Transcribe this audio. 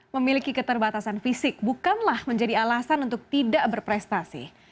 memiliki keterbatasan fisik bukanlah menjadi alasan untuk tidak berprestasi